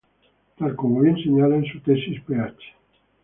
Tal como bien señala en su tesis Ph.